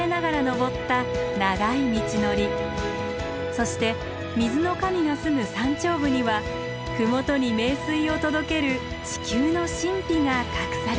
そして水の神がすむ山頂部には麓に名水を届ける地球の神秘が隠されていました。